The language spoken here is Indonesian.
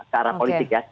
ke arah politik ya